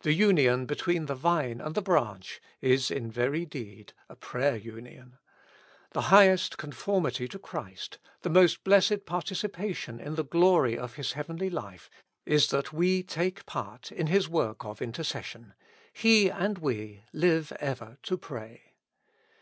The union between the Vine and the branch is in very deed a prayer union. The highest conformity to Christ, the most blessed par ticipation in the glory of His heavenly life, is that we take part in His work of intercession : He and we live ever to pray.